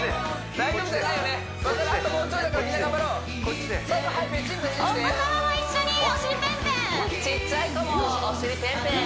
ちっちゃい子もお尻ペンペン！